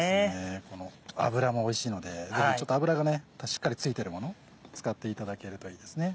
この脂もおいしいのでぜひちょっと脂がしっかりついてるもの使っていただけるといいですね。